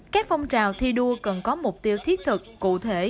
các phong trào thi đua cần có mục tiêu thiết thực cụ thể